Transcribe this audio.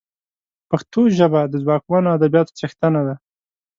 پښتو ژبه د ځواکمنو ادبياتو څښتنه ده